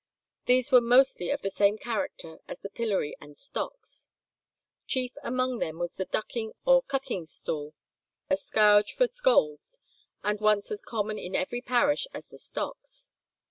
These were mostly of the same character as the pillory and stocks. Chief among them was the ducking or cucking stool, a scourge for scolds, and once as common in every parish as the stocks.